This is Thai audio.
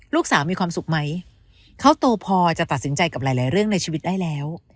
ลูกสาวมีความสุขไหมเขาโตพอจะตัดสินใจกับหลายหลายเรื่องในชีวิตได้แล้ว